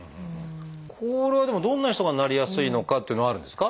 これはでもどんな人がなりやすいのかかっていうのはあるんですか？